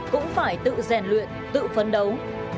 cũng phải tự rèn luyện tự phấn đấu